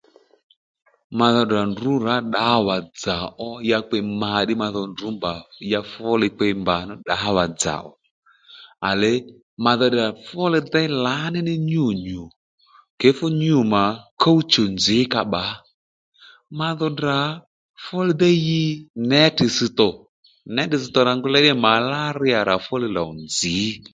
Ma dho tdrà ndrǔ rǎ ddǎwà-dzà ó ya kpe ma ddí ma dho ndrǔ mbà ya fúli kpe mbà nú ddǎwà-dzà ò à lèy ma dho tdrà fú li déy lǎní nyû nyǔ kě fú nyû mà kúw-chù nzǐ ka bbǎ ma dho tdrà fúli déy ɦiy nětì ss̀tò nětì ss̀tò rà ngu ley màláríyà rà fú li lòw nzǐ